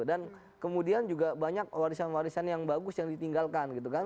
dan kemudian juga banyak warisan warisan yang bagus yang ditinggalkan